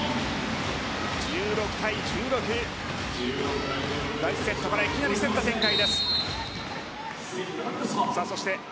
１６対１６と第１セットからいきなり競った展開。